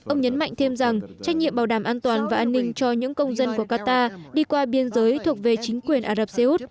ông nhấn mạnh thêm rằng trách nhiệm bảo đảm an toàn và an ninh cho những công dân của qatar đi qua biên giới thuộc về chính quyền ả rập xê út